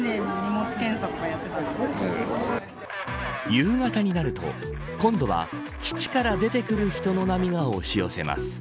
夕方になると、今度は基地から出てくる人の波が押し寄せます。